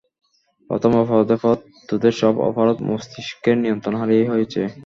প্রথম অপরাধের পর তোদের সব অপরাধ মস্তিষ্কের নিয়ন্ত্রণ হারিয়ে হয়েছে।